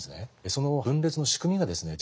その分裂の仕組みがですね